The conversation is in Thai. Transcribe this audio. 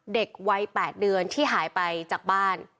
เด็กวัย๘เดือนที่หายไปจากบ้าน